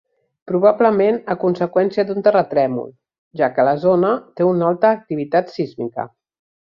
Probablement a conseqüència d'un terratrèmol, ja que la zona té una alta activitat sísmica.